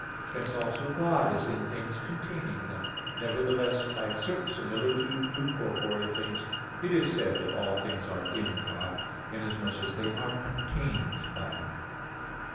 Hence also God is in things containing them; nevertheless, by a certain similitude to corporeal things, it is said that all things are in God; inasmuch as they are contained by Him.